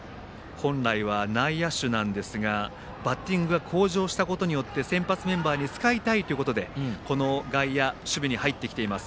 本来は内野手なんですがバッティングが向上したことによって先発メンバーに使いたいということで外野守備に入ってきています。